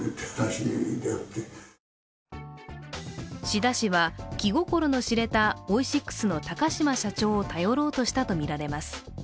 志太氏は気心の知れたオイシックスの高島社長を頼ろうとしたとみられます。